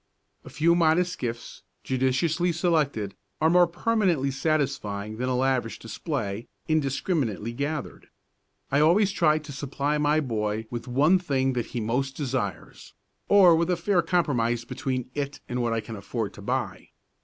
A few modest gifts, judiciously selected, are more permanently satisfying than a lavish display, indiscriminately gathered. I always try to supply my boy with one thing that he most desires, or with a fair compromise between it and what I can afford to buy.